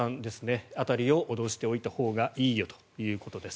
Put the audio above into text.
その辺りを脅しておいたほうがいいよということです。